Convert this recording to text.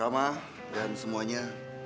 ramah dan semuanya